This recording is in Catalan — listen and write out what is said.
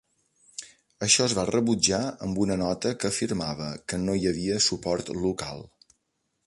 Això es va rebutjar amb una nota que afirmava que no hi havia suport local.